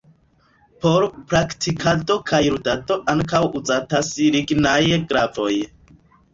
Por praktikado kaj ludado ankaŭ uzatas lignaj glavoj.